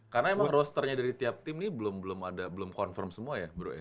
karena emang rosternya dari tiap tim ini belum ada belum confirm semua ya bro ya